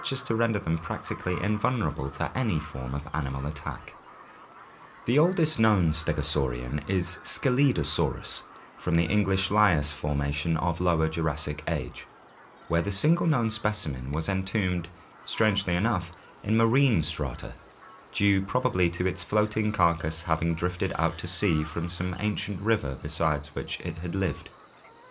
as to render them practically invulnerable to any form of animal attack. The oldest known stegosaurian is Scelidosaurus from the English Lias (Lower Jurassic) formation, where the single known specimen was entombed, strangely enough, in marine strata, due probably to its floating carcass having drifted out to sea from some ancient river beside which it lived.